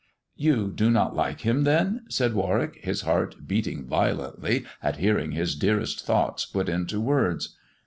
"You do not like him, then?" said Warwick, his heart beating violently at hearing his dearest thoughts put into words.